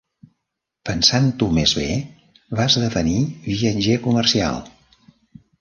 Pensant-ho més bé, va esdevenir viatger comercial.